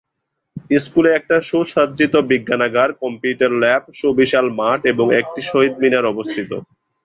স্কুলে একটি সুসজ্জিত বিজ্ঞানাগার, কম্পিউটার ল্যাব, সুবিশাল মাঠ এবং একটি শহীদ মিনার অবস্থিত।